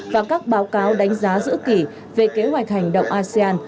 và các báo cáo đánh giá giữ kỷ về kế hoạch hành động asean